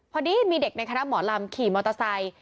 พอดีมีเด็กในคณะหมอลำขี่มอเตอร์ไซค์